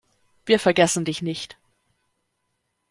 Wir vergessen dich nicht!